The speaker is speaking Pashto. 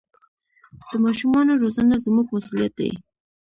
د ماشومانو روزنه زموږ مسوولیت دی.